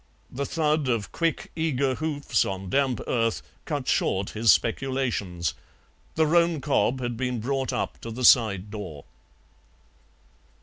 The thud of quick, eager hoofs on damp earth cut short his speculations. The roan cob had been brought up to the side door.